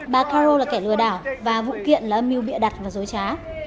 bà caron là kẻ lừa đảo và vụ kiện là mưu bịa đặt và dối trá